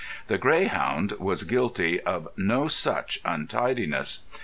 The Greyhound was guilty of no such untidiness.